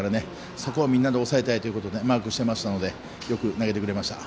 そこをみんなで抑えたいということでマークしてたのでよく抑えてくれました。